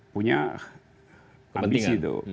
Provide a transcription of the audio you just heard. punya ambisi itu